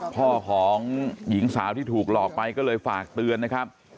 พ่อของหญิงสาวที่ถูกหลอกไปก็เลยฝากเตือนนะครับ